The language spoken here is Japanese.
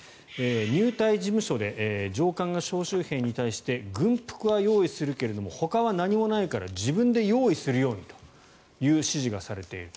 入隊事務所で上官が招集兵に対して軍服は用意するけどほかは何もないから自分で用意するようにという指示がされている。